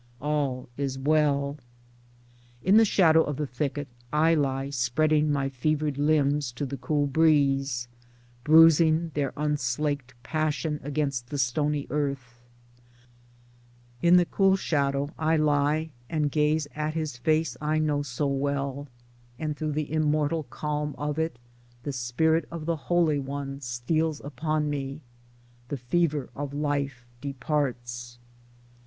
[All is well.] Towards Democracy 89 In the shadow of the thicket I lie spreading my fevered limbs to the cool breeze, bruising their unslaked passion against the stony earth — in the cool shadow I lie and gaze at his face I know so well, and through the immortal calm of it the spirit of the Holy One steals upon me; the fever of life departs.